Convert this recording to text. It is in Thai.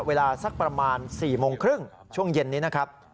เวลาสักประมาณ๔โมงครึ่งช่วงเย็นนี้นะครับ